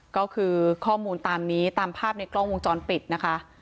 ก็คือข้อมูลตามนี้ตามภาพในกล้องวงจรปิดนะคะ